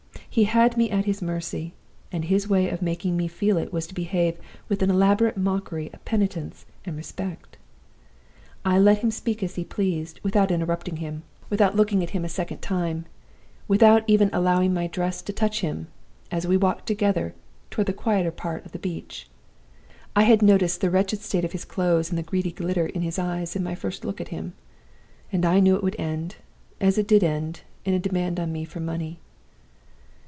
He had me at his mercy, and his way of making me feel it was to behave with an elaborate mockery of penitence and respect. I let him speak as he pleased, without interrupting him, without looking at him a second time, without even allowing my dress to touch him, as we walked together toward the quieter part of the beach. I had noticed the wretched state of his clothes, and the greedy glitter in his eyes, in my first look at him. And I knew it would end as it did end in a demand on me for money.